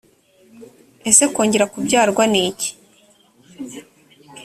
ese kongera kubyarwa niki?